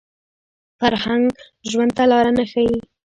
فرهنګ ژوند ته لاره نه ښيي